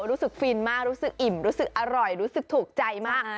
ฟินมากรู้สึกอิ่มรู้สึกอร่อยรู้สึกถูกใจมาก